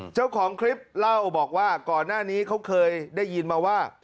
เจ้าของคลิปเล่าบอกว่าก่อนหน้านี้เขาเคยได้ยินมาว่า